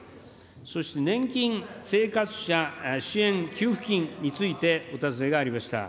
そして年金生活者支援給付金についてお尋ねがありました。